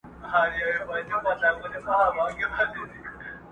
اوس نسيم راوړي خبر د تورو ورځو٫